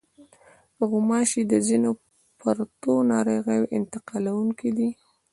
غوماشې د ځینو پرتو ناروغیو انتقالوونکې دي.